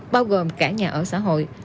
bao gồm cả nhà ở xã hội